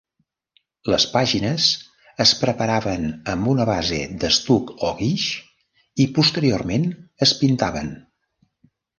Les pàgines es preparaven amb una base d'estuc o guix, i posteriorment es pintaven.